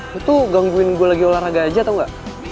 lo tuh gangguin gue lagi olahraga aja tau ga